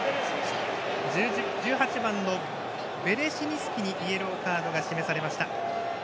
１８番のベレシニスキにイエローカードが示されました。